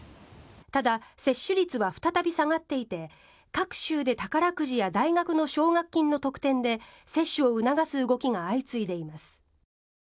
ただ、接種率は再び下がっていて隔週で宝くじや大学の奨学金の特典で接種を促す動きが相次いでいます。